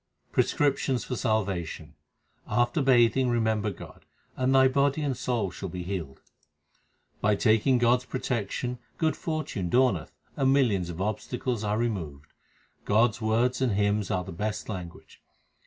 Prescriptions for salvation : After bathing remember God, and thy body and soul shall be healed. By taking God s protection good fortune dawneth, and millions of obstacles are removed. God s words and hymns are the best language.